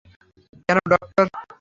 কেন, ডক্টর?